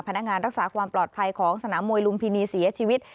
พนักงานรักษาความปลอดภัยของสนามมวยลุมพินีเสียชีวิต